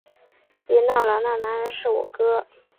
别闹了，那个男人是我哥